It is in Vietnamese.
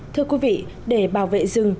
thưa quý vị để bảo vệ rừng